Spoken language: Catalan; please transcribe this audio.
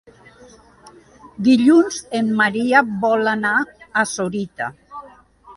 Dilluns en Maria vol anar a Sorita.